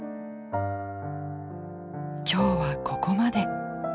今日はここまで。